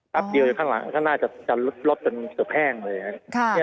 สับเดียวข้างหลังข้างหน้าจะลดเป็นเสือแพร่งเลย